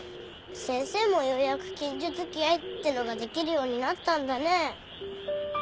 先生もようやく近所付き合いってのができるようになったんだねぇ。